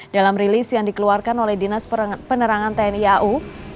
dalam rilis yang dikeluarkan oleh dinas penerangan tni au